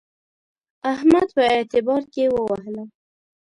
احمد په اعتبار کې ووهلم.